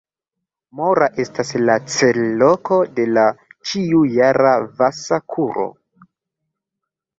Mora estas la cel-loko de la ĉiu-jara Vasa-kuro.